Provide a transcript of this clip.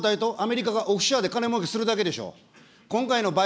軍産複合体とアメリカがオフショアで金もうけするだけでしょ。